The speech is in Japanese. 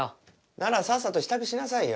ならさっさと支度しなさいよ。